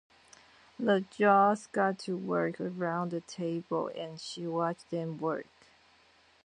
The jaws got to work around the table, and she watched them work.